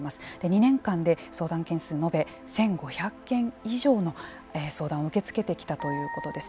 ２年間で、相談件数延べ１５００件以上の相談を受け付けてきたということです。